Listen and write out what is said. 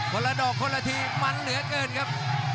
ละดอกคนละทีมันเหลือเกินครับ